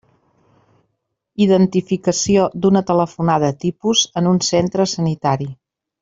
Identificació d'una telefonada tipus en un centro sanitari.